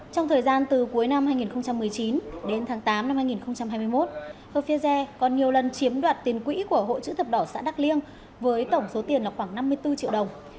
trong thời gian từ cuối năm hai nghìn một mươi chín đến tháng tám năm hai nghìn hai mươi một ofiel còn nhiều lần chiếm đoạt tiền quỹ của hội chữ thập đỏ xã đắk liêng với tổng số tiền là khoảng năm mươi bốn triệu đồng